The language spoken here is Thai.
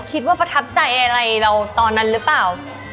ประทับใจอะไรเราตอนนั้นหรือเปล่า